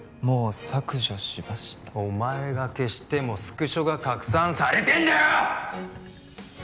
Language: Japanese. もう削除しましたお前が消してもスクショが拡散されてんだよ！